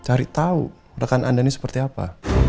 cari tahu rekan anda ini seperti apa